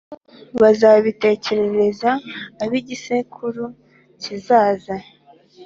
na bo bazabitekerereze ab’igisekuru kizaza!